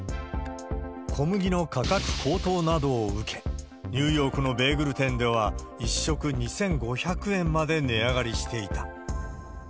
小麦の価格高騰などを受け、ニューヨークのベーグル店では、１食２５００円まで値上がりしていた。